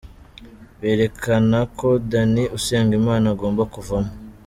Berekana ko Danny Usengimana agomba kuvamo.